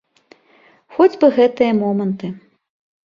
Хоць бы гэтыя моманты.